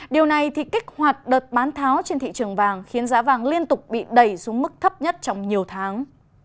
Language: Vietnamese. điều này thì kích hoạt đợt bán tháo trên thị trường vàng khiến giá vàng liên tục bị đẩy xuống mức thấp nhất trong nhiều tháng